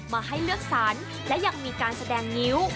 มาให้เลือกสรรและยังมีการแสดงนิ้ว